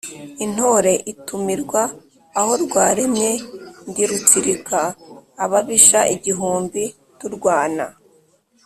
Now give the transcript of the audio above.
intore itumirwa aho rwaremye, ndi rutsirika ababisha igihumbi turwana.